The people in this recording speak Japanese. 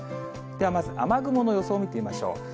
ではまず、雨雲の予想を見てみましょう。